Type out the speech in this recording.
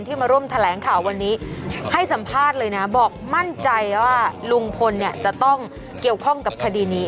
มาร่วมแถลงข่าววันนี้ให้สัมภาษณ์เลยนะบอกมั่นใจว่าลุงพลเนี่ยจะต้องเกี่ยวข้องกับคดีนี้